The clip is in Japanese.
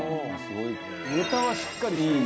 ネタはしっかりしてる。